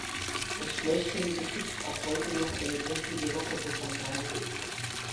Das Schlösschen besitzt auch heute noch eine prächtige Rokokofassade.